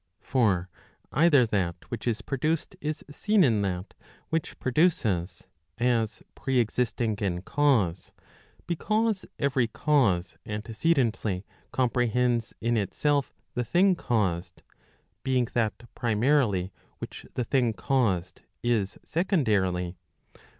For either that which is produced is seen in that which produces, as pre¬ existing in cause, because every cause antecedently comprehends in itself the thing caused, being that primarily which the thing caused is second¬ arily.